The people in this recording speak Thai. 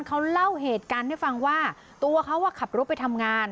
เขาเล่าเหตุการณ์ให้ฟังว่าตัวเขาขับรถไปทำงาน